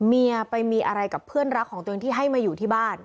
เมียไปมีอะไรกับเพื่อนรักของตัวเองที่ให้มาอยู่ที่บ้าน